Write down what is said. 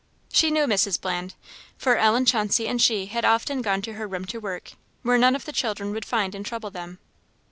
She knew Mrs. Bland, for Ellen Chauncey and she had often gone to her room to work, where none of the children would find and trouble them.